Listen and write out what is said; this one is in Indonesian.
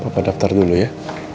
bapak daftar dulu ya